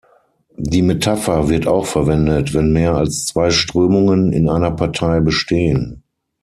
Die Metapher wird auch verwendet, wenn mehr als zwei Strömungen in einer Partei bestehen.